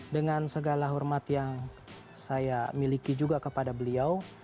dengan segala hormat yang saya miliki juga kepada beliau